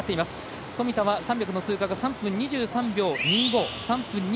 富田は３００の通過が３分２３秒２５。